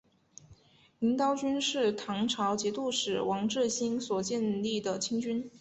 银刀军是唐朝节度使王智兴所建立的亲军。